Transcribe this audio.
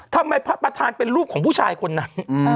พระประธานเป็นรูปของผู้ชายคนนั้น